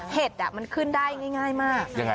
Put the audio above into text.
เห็ดมันขึ้นได้ง่ายมาก